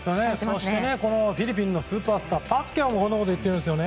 フィリピンのスーパースター、パッキャオもこんなことを言ってるんですね。